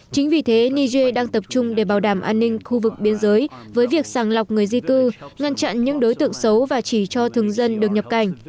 chính vì thế niger đang tập trung để bảo đảm an ninh khu vực biên giới với việc sàng lọc người di cư ngăn chặn những đối tượng xấu và chỉ cho thường dân được nhập cảnh